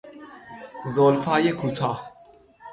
زلفهای کوتاه